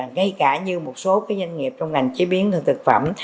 ngay cả như một số doanh nghiệp trong ngành chế biến thực phẩm